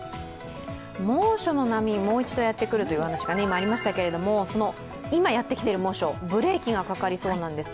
猛暑の波、もう一度やってくるというお話がありましたけどその今やってきている猛暑、ブレーキがかかりそうなんです。